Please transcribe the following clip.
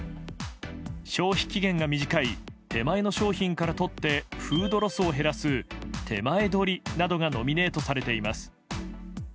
消費期限が短い手前の商品からとってフードロスを減らすてまえどりなどがノミネートされています。